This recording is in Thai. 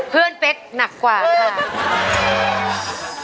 เพื่อนเป๊ะหนักกว่าค่ะ